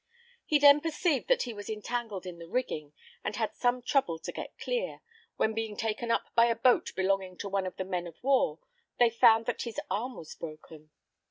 He then perceived that he was entangled in the rigging, and had some trouble to get clear, when being taken up by a boat belonging to one of the men of war, they found that his arm was broken.